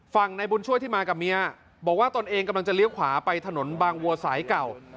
ในบุญช่วยที่มากับเมียบอกว่าตนเองกำลังจะเลี้ยวขวาไปถนนบางวัวสายเก่า